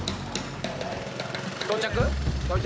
到着？